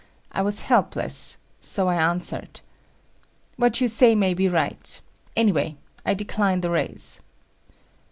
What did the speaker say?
I was helpless, so I answered. "What you say might be right,—anyway, I decline the raise."